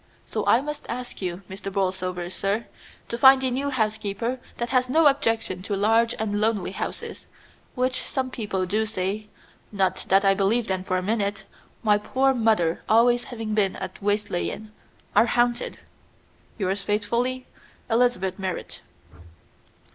So I must ask you, Mr. Borlsover, sir, to find a new housekeeper that has no objection to large and lonely houses, which some people do say, not that I believe them for a minute, my poor mother always having been a Wesleyan, are haunted. "Yours faithfully, ELIZABETH MERRIT.